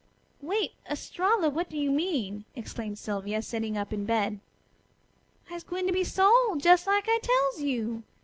"Wait, Estralla! What do you mean?" exclaimed Sylvia, sitting up in bed. "I'se gwine to be sold! Jes' like I tells you.